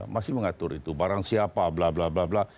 masih mengatur itu barang siapa bla bla bla bla